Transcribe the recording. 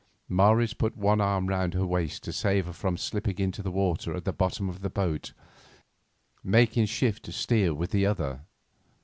Morris put one arm round her waist to save her from slipping into the water at the bottom of the boat, making shift to steer with the other.